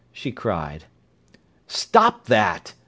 she cried. "Stop that!"